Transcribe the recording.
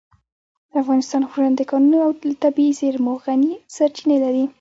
د افغانستان غرونه د کانونو او طبیعي زېرمو غني سرچینې لري.